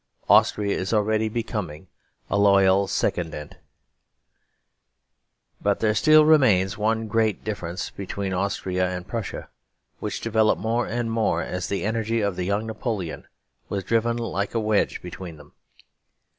Austria is already becoming a loyal sekundant. But there still remains one great difference between Austria and Prussia which developed more and more as the energy of the young Napoleon was driven like a wedge between them.